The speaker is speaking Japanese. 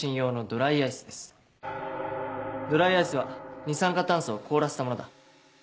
ドライアイスは二酸化炭素を凍らせたものだ。